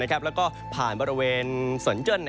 แล้วก็ผ่านบริเวณเซินเจิ้น